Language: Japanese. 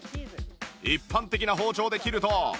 一般的な包丁で切ると